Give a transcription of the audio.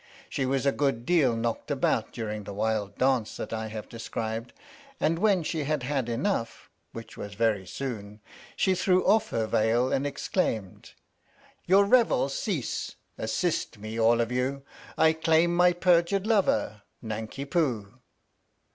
She was a good deal knocked about during the wild dance that I have described, and when she had had enough (which was very soon) she threw off her veil and exclaimed : Your revels cease assist me all of you ! I claim my perjured lover, Nanki Poo !